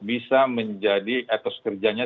bisa menjadi etos kerjanya